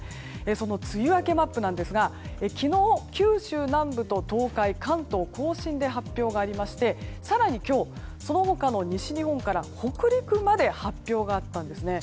その梅雨明けマップなんですが昨日、九州南部と東海関東・甲信で発表がありまして、更に今日その他の西日本から北陸まで発表があったんですね。